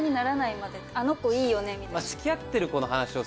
あの子いいよねみたいな？